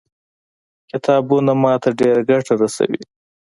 کتابونه ما ته ډېره ګټه رسوي.